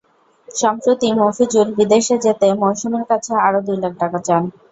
সম্প্রতি মফিজুল বিদেশে যেতে মৌসুমীর কাছে আরও দুই লাখ টাকা চান।